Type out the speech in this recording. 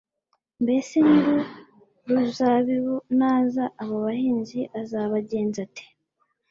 Mbese nyir'uruzabibu naza, abo bahinzi azabagenza ate?»